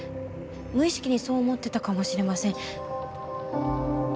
無意識にそう思ってたかもしれません。